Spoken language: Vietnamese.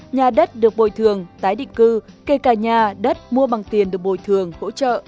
nhà đất được bồi thường tái định cư kể cả nhà đất mua bằng tiền được bồi thường hỗ trợ